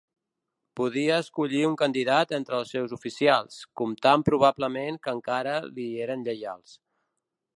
Podia escollir un candidat entre els seus oficials, comptant probablement que encara li eren lleials.